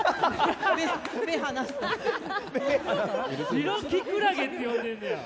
白キクラゲって呼んでんねや。